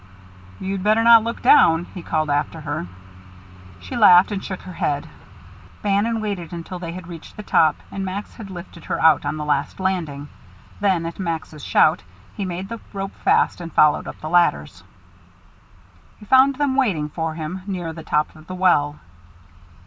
"You'd better not look down," he called after her. She laughed and shook her head. Bannon waited until they had reached the top, and Max had lifted her out on the last landing; then, at Max's shout, he made the rope fast and followed up the ladders. He found them waiting for him near the top of the well.